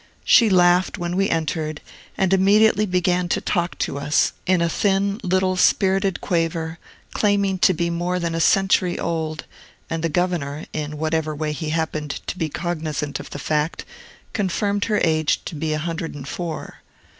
She laughed, when we entered, and immediately began to talk to us, in a thin, little, spirited quaver, claiming to be more than a century old; and the governor (in whatever way he happened to be cognizant of the fact) confirmed her age to be a hundred and four.